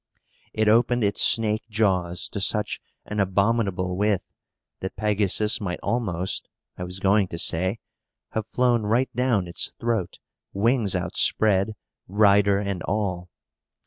It opened its snake jaws to such an abominable width, that Pegasus might almost, I was going to say, have flown right down its throat, wings outspread, rider and all!